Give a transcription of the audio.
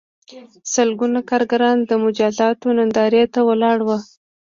سلګونه کارګران د مجازاتو نندارې ته ولاړ وو